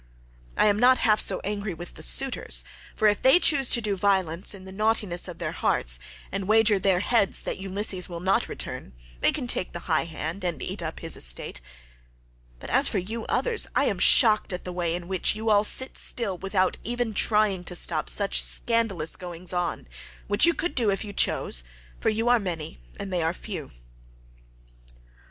I am not half so angry with the suitors, for if they choose to do violence in the naughtiness of their hearts, and wager their heads that Ulysses will not return, they can take the high hand and eat up his estate, but as for you others I am shocked at the way in which you all sit still without even trying to stop such scandalous goings on—which you could do if you chose, for you are many and they are few."